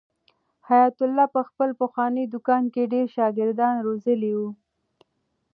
حیات الله په خپل پخواني دوکان کې ډېر شاګردان روزلي وو.